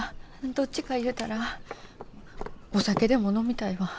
どっちかいうたらお酒でも飲みたいわ。